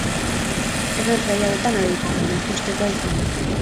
Ez naiz gai hautean aditua, baina ezustekoa izan da.